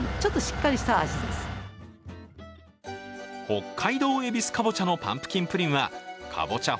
北海道えびすかぼちゃのパンプキンプリンはかぼちゃ